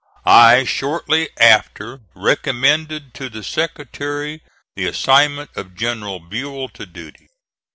I shortly after recommended to the Secretary the assignment of General Buell to duty.